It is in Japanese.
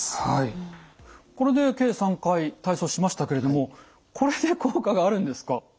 これで計３回体操しましたけれどもこれで効果があるんですか？